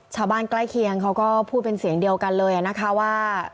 ชาวบ้านใกล้เคียงเขาก็พูดเป็นเสียงเดียวกันเลยนะคะว่า